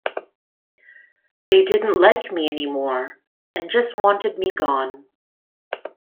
They didn't like me any more and just wanted me gone.